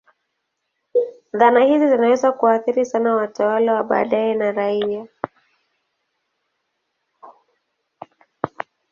Dhana hizi zinaweza kuathiri sana watawala wa baadaye na raia.